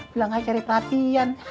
bilang aja cari perhatian